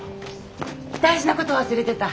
大事なこと忘れてた。